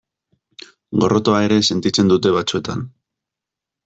Gorrotoa ere sentitzen dute batzuetan.